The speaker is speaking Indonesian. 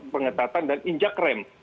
pengetatan dan injak rem